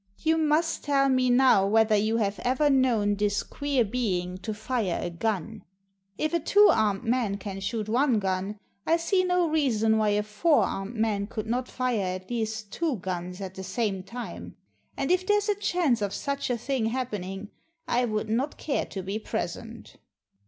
You must tell me now whether you have ever known this queer being to fire a gun. If a two armed man can shoot one gun, I see no reason why a four armed man could not fire at least two guns at the same time. And if there's any chance of such a thing happening, I would not care to be present."